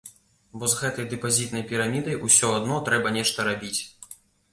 Бо з гэтай дэпазітнай пірамідай ўсё адно трэба нешта рабіць.